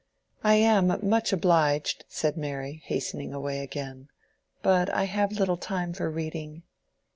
"I am much obliged," said Mary, hastening away again, "but I have little time for reading."